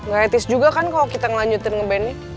gak etis juga kan kalo kita ngelanjutin ngeband nya